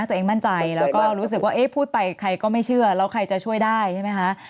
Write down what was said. ตัวเองมั่นใจแล้วก็รู้สึกว่าเอ๊ะพูดไปใครก็ไม่เชื่อแล้วใครจะช่วยได้ใช่ไหมคะ